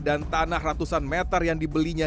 dan tanah ratusan meter yang dibelinya